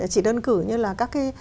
chỉ đơn cử như là các cái